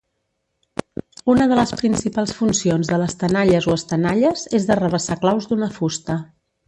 Una de les principals funcions de les tenalles o estenalles és d'arrabassar claus d'una fusta.